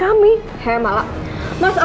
kamu gak akan pernah lagi ngeganggu hubungan kami